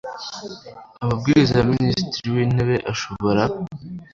Amabwiriza ya Minisitiri w Intebe ashobora